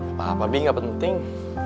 gapapa bi gak penting